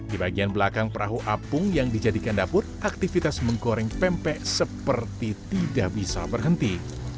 di bagian belakang perahu apung yang dijadikan dapur aktivitas menggoreng pempek seperti tidak bisa berhenti